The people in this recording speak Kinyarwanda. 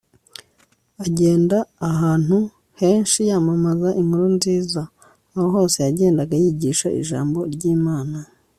agenda ahantu henshi yamamaza inkuru nziza. aho hose yagendaga yigisha ijambo ry'imana